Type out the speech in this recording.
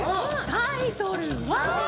タイトルは。